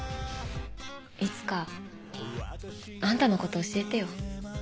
いつかあんたのこと教えてよ。